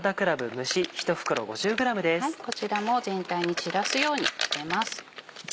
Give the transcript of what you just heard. こちらも全体に散らすように入れます。